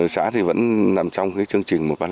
xã thì vẫn nằm trong cái chương trình một vài năm